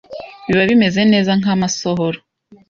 biba bimeze neza nk’amasohoro